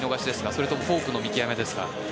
それともフォークの見極めですか？